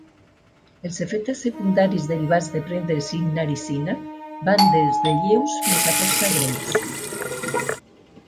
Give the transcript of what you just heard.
Els efectes secundaris derivats de prendre cinnarizina van des de lleus fins a força greus.